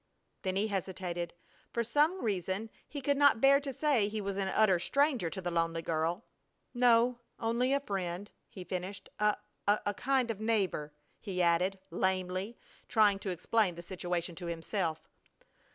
Then he hesitated. For some reason he could not bear to say he was an utter stranger to the lonely girl. "No, only a friend," he finished. "A a kind of neighbor!" he added, lamely, trying to explain the situation to himself.